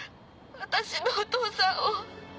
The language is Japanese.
私のお父さんを。